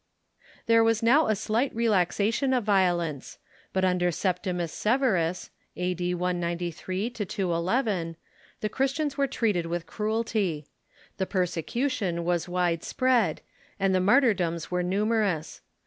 There was now a slight relaxation of violence, but under Septimius Severus (a.d. 193 211) the Christians were treated with cruelty. The persecution was wide spread, and the mar tyrdoms were numerous.